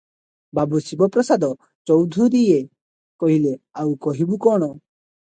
ବାବୁ ଶିବ ପ୍ରସାଦ ଚୌଧୁରୀଏ କହିଲେ, "ଆଉ କହିବୁ କଣ?